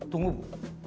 bu tunggu bu